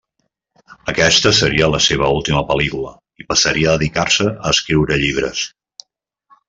Aquesta seria la seva última pel·lícula i passaria a dedicar-se a escriure llibres.